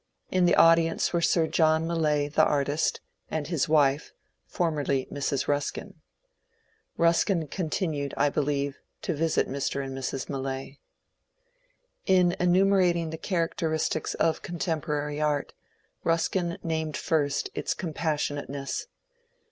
In the audience were Sir John Millais the artist, and hia wife formerly Mrs. Ruslrin. Ruskin con tinned, I believe, to visit Mr. and Mrs. Millais. In enumerating the characteristics of contemporary art, Ruskin named first its compassionateness.